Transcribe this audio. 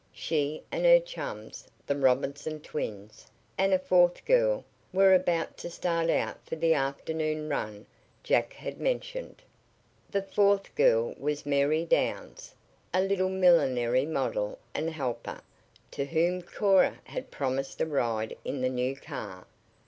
She and her chums, the Robinson twins, and a fourth girl, were about to start out for the afternoon run Jack had mentioned. The fourth girl was Mary Downs, a little millinery model and helper, to whom Cora had promised a ride in the new car.